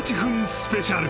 スペシャル